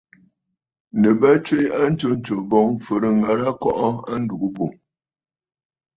Nɨ bə tswe a ntsǔǹtsù boŋ fɨ̀rɨ̂ŋə̀rə̀ àa kɔʼɔ a ndùgə bù.